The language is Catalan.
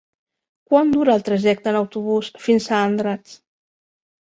Quant dura el trajecte en autobús fins a Andratx?